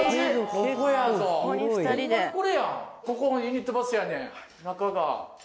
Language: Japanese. ここがユニットバスやねん中が。